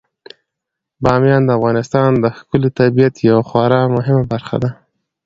بامیان د افغانستان د ښکلي طبیعت یوه خورا مهمه برخه ده.